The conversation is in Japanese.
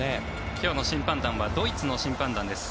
今日の審判団はドイツの審判団です。